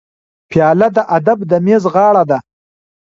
پیاله د ادب د میز غاړه ده.